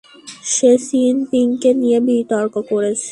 C চিন পিংকে নিয়ে বিতর্ক রয়েছে।